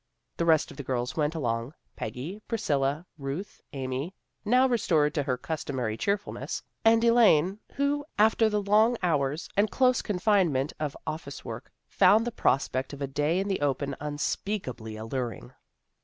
The rest of the girls went along, Peggy, Priscilla, Ruth, Amy now restored to her customary cheerfulness and Elaine, who, after the long hours and close confinement of office work, found the prospect of a day in the open unspeakably alluring.